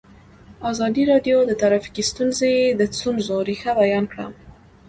ازادي راډیو د ټرافیکي ستونزې د ستونزو رېښه بیان کړې.